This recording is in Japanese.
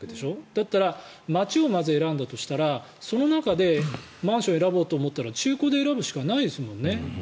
だったらまず街を選んだとしたらその中でマンションを選ぼうと思ったら中古で選ぶしかないですもんね。